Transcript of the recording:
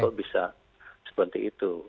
kalau bisa seperti itu